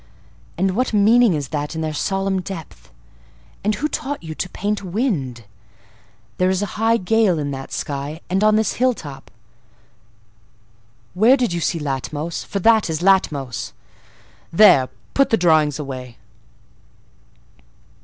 And what meaning is that in their solemn depth? And who taught you to paint wind? There is a high gale in that sky, and on this hill top. Where did you see Latmos? For that is Latmos. There! put the drawings away!"